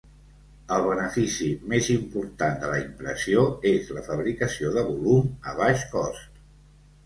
El benefici més important de la impressió és la fabricació de volum a baix cost.